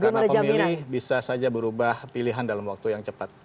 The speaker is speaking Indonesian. karena pemilih bisa saja berubah pilihan dalam waktu yang cepat